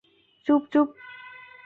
চুপ, চুপ।